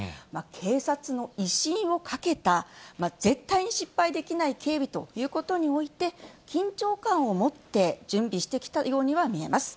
警察の威信をかけた絶対に失敗できない警備ということにおいて、緊張感を持って準備してきたようには見えます。